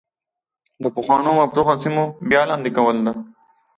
د پخوانو مفتوحه سیمو بیا لاندې کول ده.